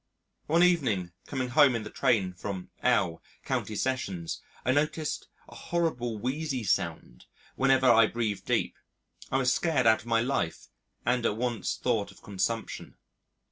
One evening coming home in the train from L County Sessions I noticed a horrible, wheezy sound whenever I breathed deep. I was scared out of my life, and at once thought of consumption.